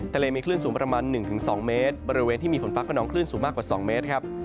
ทะเลมีคลื่นสูงประมาณ๑๒เมตรบริเวณที่มีฝนฟ้ากระนองคลื่นสูงมากกว่า๒เมตรครับ